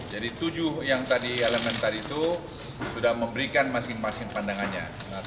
jadi tujuh yang tadi elemen tadi itu sudah memberikan masing masing pandangannya